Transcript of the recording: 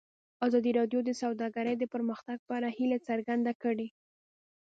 ازادي راډیو د سوداګري د پرمختګ په اړه هیله څرګنده کړې.